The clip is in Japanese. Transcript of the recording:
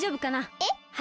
えっ？